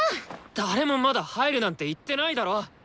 誰もまだ入るなんて言ってないだろ！